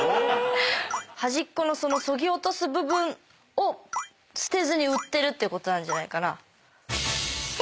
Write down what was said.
端っこのそぎ落とす部分を捨てずに売ってるってことなんじゃないかな。